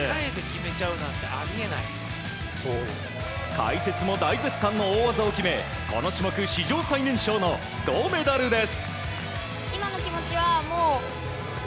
解説も大絶賛の大技を決めこの種目、史上最年少の銅メダルです。